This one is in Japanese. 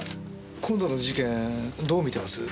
今度の事件どう見てます？